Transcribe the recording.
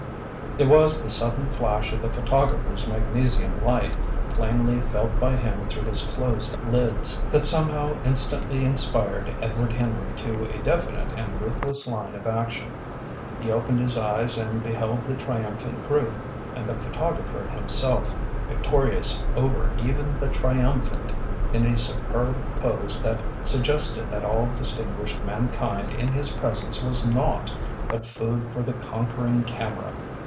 It was the sudden flash of the photographer's magnesium light, plainly felt by him through his closed lids, that somehow instantly inspired Edward Henry to a definite and ruthless line of action. He opened his eyes and beheld the triumphant group, and the photographer himself, victorious over even the triumphant, in a superb pose that suggested that all distinguished mankind in his presence was naught but food for the conquering camera.